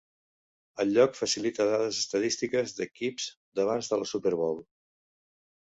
El lloc facilita dades estadístiques d'equips d'abans de la Super Bowl.